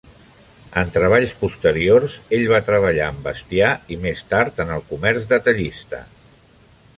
En treballs posteriors ell va treballar amb bestiar i més tard en el comerç detallista.